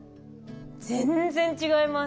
全然違います。